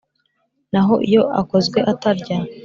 Na ho iyo akozwe atarya